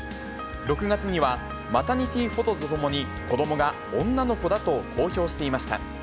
６月にはマタニティフォトとともに、子どもが女の子だと公表していました。